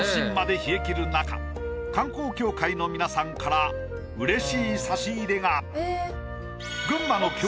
冷え切る中観光協会の皆さんからうれしい差し入れが。